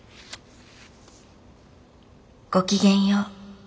ごきげんよう。